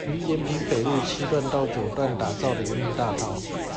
於延平北路七段到九段打造林蔭大道